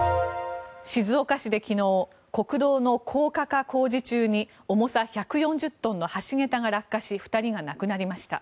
静岡市で昨日、国道の高架化工事中に重さ１４０トンの橋桁が落下し２人が亡くなりました。